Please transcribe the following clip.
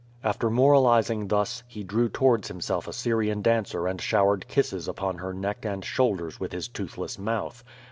After moralizing thus, he drew towards himself a Syrian dancer and showered kisses upon her neck and shoulders with his toothless mouth.